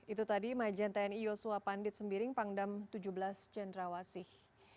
itu tadi majen tni yosua pandit sembiring pangdam tujuh belas cendrawasih